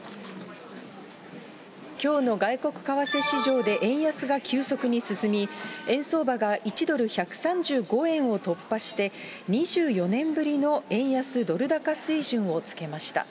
きょうの外国為替市場で円安が急速に進み、円相場が１ドル１３５円を突破して、２４年ぶりの円安ドル高水準をつけました。